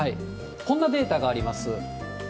こんなデータがあります。